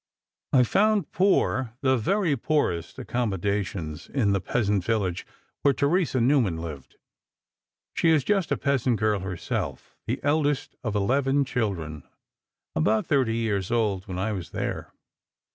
"I found poor, the very poorest, accommodations in the peasant village where Theresa Neumann lived. She is just a peasant girl herself, the eldest of eleven children, about thirty years old when I was there.